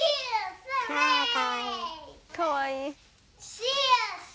かわいい。